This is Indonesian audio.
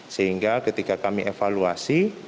sehingga ketika kami evaluasi